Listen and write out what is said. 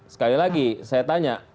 sekali lagi saya tanya